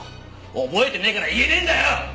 覚えてねえから言えねえんだよ！